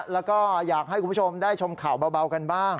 แล้วก็อยากให้คุณผู้ชมได้ชมข่าวเบากันบ้าง